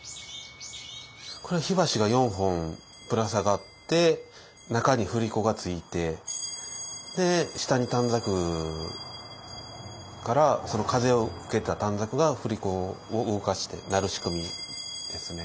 これは火箸が４本ぶら下がって中に振り子がついて下に短冊風を受けた短冊が振り子を動かして鳴る仕組みですね。